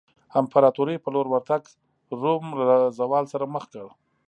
امپراتورۍ په لور ورتګ روم له زوال سره مخ کړ.